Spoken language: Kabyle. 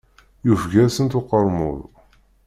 Yufeg-asent uqermud.